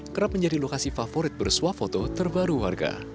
kerap menjadi lokasi favorit bersuah foto terbaru warga